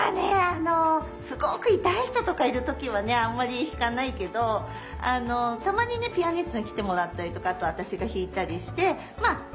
あのすごく痛い人とかいる時はねあまり弾かないけどたまにねピアニストに来てもらったりとかあと私が弾いたりしてまあ